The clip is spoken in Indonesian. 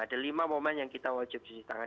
ada lima momen yang kita wajib cuci tangan